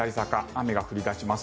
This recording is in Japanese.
雨が降り出します。